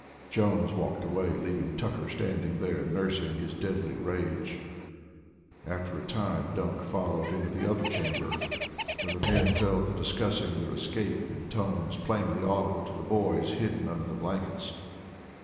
Jones walked away, leaving Tucker standing there nursing his deadly rage. After a time Dunk followed into the other chamber, where the men fell to discussing their escape in tones plainly audible to the boys hidden under the blankets.